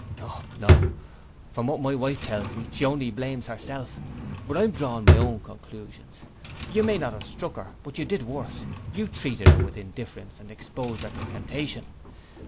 'Oh no: from what my wife tells me she only blames herself, but I'm drawing my own conclusions. You may not have struck her, but you did worse you treated her with indifference and exposed her to temptation.